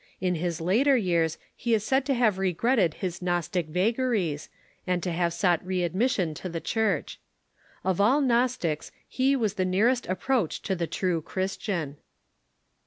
In his later years be is said to have regretted his Gnostic vagaries, and to have sought readmission to the Church. Of all Gnos tics he was the nearest approach to the true Christian.